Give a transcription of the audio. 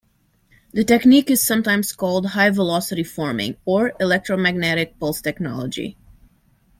The technique is sometimes called "high velocity forming" or "electromagnetic pulse technology".